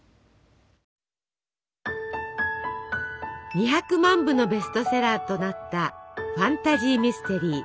２００万部のベストセラーとなったファンタジーミステリー